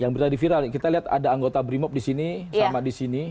yang tadi viral kita lihat ada anggota brimob di sini sama di sini